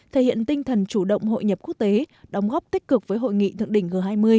thể hiện tinh thần chủ động hội nhập quốc tế đóng góp tích cực với hội nghị thượng đỉnh g hai mươi